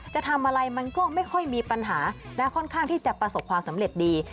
จะทำอะไรมันก็ไม่ค่อยมีปัญหาและค่อนข้างที่จะประสบความสำเร็จดี